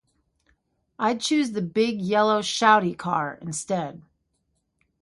I'd choose the big, yellow, shouty car instead.